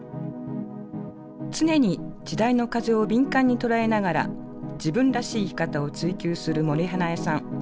常に時代の風を敏感に捉えながら自分らしい生き方を追求する森英恵さん。